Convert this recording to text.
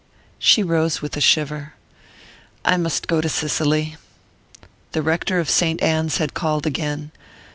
She rose with a shiver. "I must go to Cicely " The rector of Saint Anne's had called again.